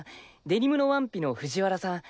デニムのワンピの藤原さん